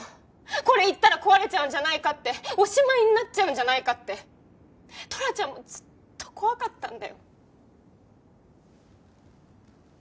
これ言ったら壊れちゃうんじゃないかっておしまいになっちゃうんじゃないかってトラちゃんもずっと怖かったんだよ。